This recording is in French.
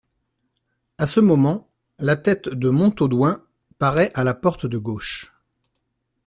À ce moment, la tête de Montaudoin paraît à la porte de gauche.